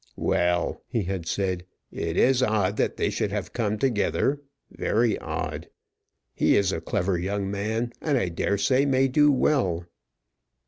"Well," he had said, "it is odd that they should have come together; very odd. He is a clever young man, and I dare say may do well."